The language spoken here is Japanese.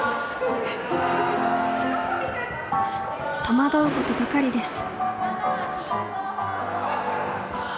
戸惑うことばかりです。